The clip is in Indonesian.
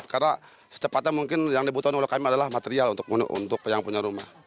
karena secepatnya mungkin yang dibutuhkan oleh kami adalah material untuk yang punya rumah